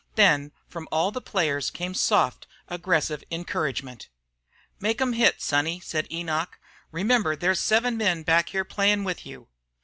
Then from all the players came soft, aggressive encouragement. "Make 'em hit, sonny," said Enoch, "Remember there's seven men back here playin' with you."